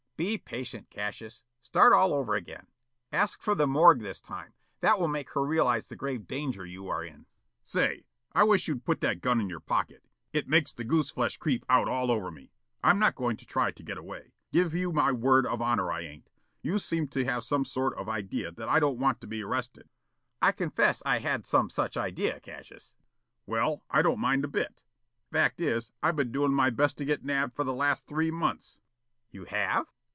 "Be patient, Cassius. Start all over again. Ask for the morgue this time. That will make her realize the grave danger you are in." "Say, I wish you'd put that gun in your pocket. It makes the goose flesh creep out all over me. I'm not going to try to get away. Give you my word of honor I ain't. You seem to have some sort of idea that I don't want to be arrested." "I confess I had some such idea, Cassius." "Well, I don't mind it a bit. Fact is, I've been doin' my best to get nabbed for the last three months." "You have?"